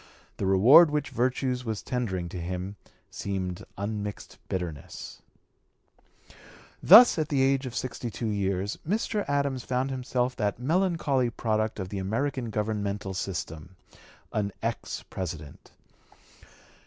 The reward which virtue was tendering to him seemed unmixed bitterness. Thus at the age of sixty two years, Mr. Adams found himself that melancholy product of the American governmental system an ex President.